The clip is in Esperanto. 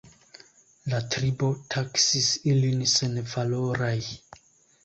La tribo taksis ilin senvaloraj.